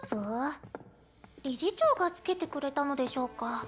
理事長が付けてくれたのでしょうか？